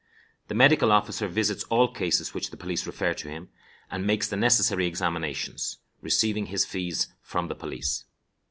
The medical officer visits all cases which the police refer to him, and makes the necessary examinations, receiving his fees from the police.